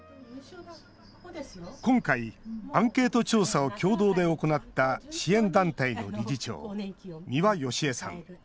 今回、アンケート調査を共同で行った支援団体の理事長三羽良枝さん。